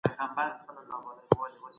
لیکوال پکې د ناول د پیل موضوع څېړي.